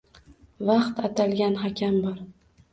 Vaqt atalgan hakam bor!